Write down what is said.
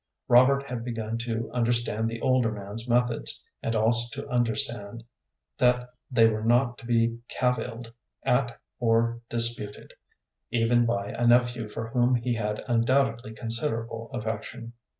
Robert had begun to understand the older man's methods, and also to understand that they were not to be cavilled at or disputed, even by a nephew for whom he had undoubtedly considerable affection.